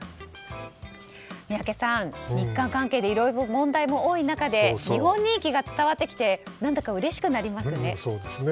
宮家さん、日韓関係でいろいろ問題も多い中で日本人気が伝わってきて何だかうれしくなりますね。